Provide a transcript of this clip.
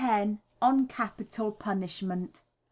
On Capital Punishment.